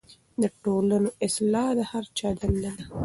د ټولنې اصلاح د هر چا دنده ده.